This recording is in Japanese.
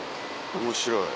面白い。